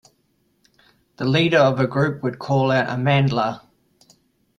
The leader of a group would call out Amandla!